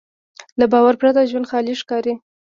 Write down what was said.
له باور پرته ژوند خالي ښکاري.